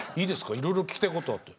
いろいろ聞きたいことあって。